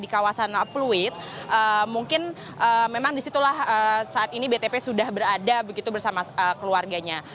di kawasan pluit mungkin memang disitulah saat ini btp sudah berada begitu bersama keluarganya